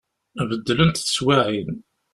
Beddlent teswiɛin.